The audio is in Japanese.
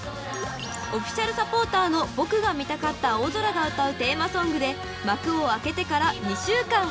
［オフィシャルサポーターの僕が見たかった青空が歌うテーマソングで幕を開けてから２週間］